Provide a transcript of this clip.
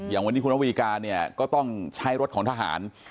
อย่างวันนี้คุณน้องวีกาก็ต้องใช้รถของทหาร